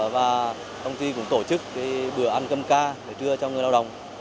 và công ty cũng tổ chức bữa ăn cơm ca để trưa cho người lao động